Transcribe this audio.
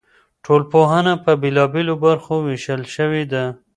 ټولنپوهنه په بېلابېلو برخو ویشل شوې ده.